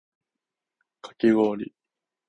かき氷